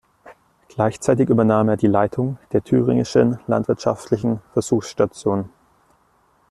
Gleichzeitig übernahm er die Leitung der Thüringischen Landwirtschaftlichen Versuchsstation.